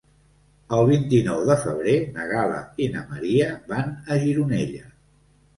El vint-i-nou de febrer na Gal·la i na Maria van a Gironella.